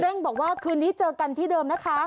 บอกว่าคืนนี้เจอกันที่เดิมนะคะ